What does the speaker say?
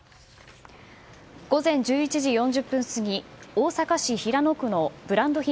午前１１時４０分過ぎ大阪市平野区のブランド品